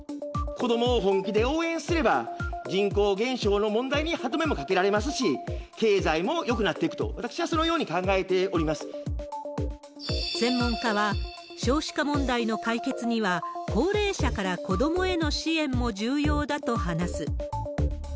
子どもを本気で応援すれば、人口減少の問題に歯止めもかけられますし、経済もよくなっていくと、専門家は、少子化問題の解決には、高齢者から子どもへの支援も重要だと話す。